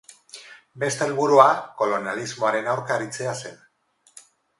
Beste helburua kolonialismoaren aurka aritzea zen.